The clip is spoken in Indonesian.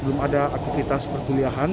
belum ada aktivitas perkuliahan